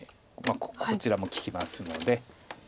まあこちらも利きますので。